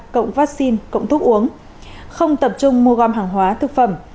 cộng vaccine cộng thuốc uống không tập trung mua gom hàng hóa thực phẩm